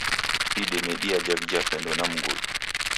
Idime diajha vijapendo na mungulu.